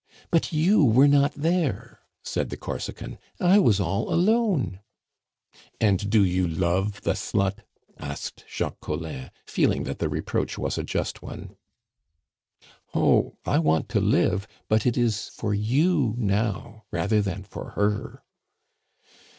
"But you were not there!" said the Corsican; "I was all alone " "And do you love the slut?" asked Jacques Collin, feeling that the reproach was a just one. "Oh! I want to live, but it is for you now rather than for her."